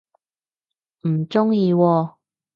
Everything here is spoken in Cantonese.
唔鍾意喎